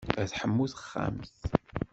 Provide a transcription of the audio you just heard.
La tḥemmu texxamt.